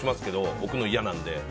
置くの嫌なんで。